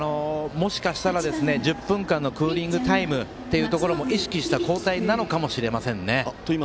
もしかしたら１０分間のクーリングタイムも意識した交代かもしれませんね。